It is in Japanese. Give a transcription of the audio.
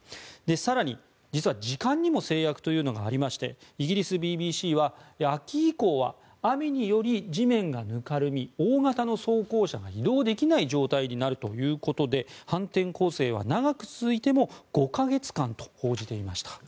更に、実は時間にも制約というのがありましてイギリスＢＢＣは秋以降は雨により地面がぬかるみ大型の装甲車が移動できない状態になるということで反転攻勢は長く続いても５か月間と報じていました。